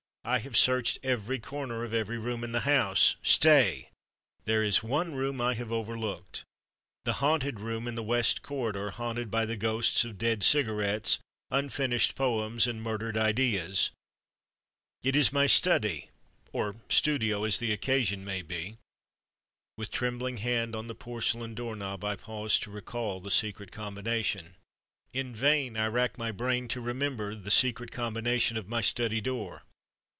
I have searched every corner of every room in the house—Stay! There is one room I have overlooked—the Haunted Room in the West Corridor, haunted by the ghosts of dead cigarettes, unfinished poems and murdered ideas. It is my study (or studio, as the occasion may be). With trembling hand on the porcelain door knob, I pause to recall the secret combination. In vain I rack my brain to remember the secret combination of my study door.